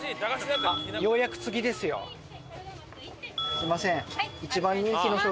すいません。